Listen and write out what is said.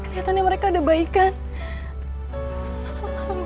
kelihatannya mereka udah baikan alhamdulillah